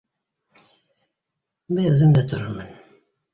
— Бер үҙем дә торормон